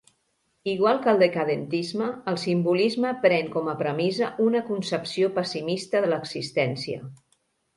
Igual que el decadentisme, el simbolisme pren com a premissa una concepció pessimista de l'existència.